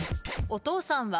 お父さんは？